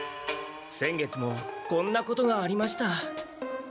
先月もこんなことがありました。